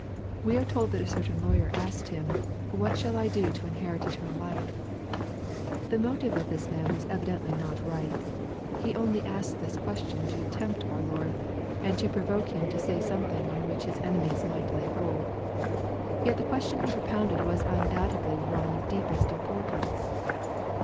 We are told that a certain lawyer asked Him, " What shall I do to inherit eternal life ?" The motive of this man was eyidentlj, not right. He only asked this question to tempt" our Lord, and te provoke Him to say some thing on which His enemies might lay hold. Yet the question he propounded was undoubtedly one of the deepest importance.